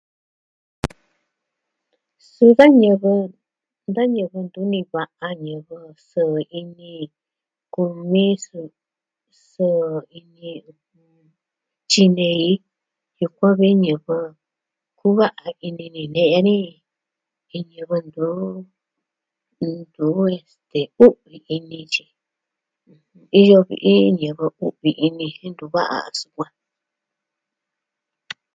Suu da ñivɨ, da ñivɨ ntuni va'a ñivɨ sɨɨ ini kumi... sɨɨ ini tyinei jiuun kuvi ñivɨ kuva'a ini ni nee ni, iin ñivɨ ntu, estee, u'vi ini . Iyo vi iin ñivɨ u'vi ini jen ntu va'a sukuan.